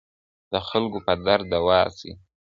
د خلګو په درد دوا سئ.